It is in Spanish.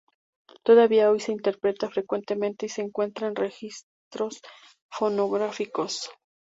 Todavía hoy se interpreta frecuentemente y se encuentra en registros fonográficos.